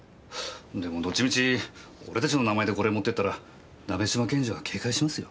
でもどっちみち俺たちの名前でこれ持ってったら鍋島検事は警戒しますよ。